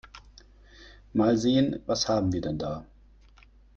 Mal sehen, was haben wir denn da?